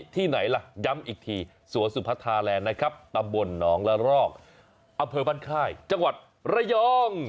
ที่ไหนล่ะย้ำอีกทีสวนสุพัทธาแลนด์นะครับตำบลหนองละรอกอำเภอบ้านค่ายจังหวัดระยอง